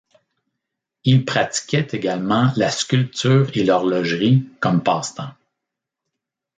Il pratiquait également la sculpture et l'horlogerie, comme passe-temps.